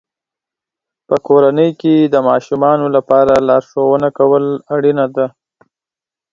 په کورنۍ کې د ماشومانو لپاره لارښوونه کول اړینه ده.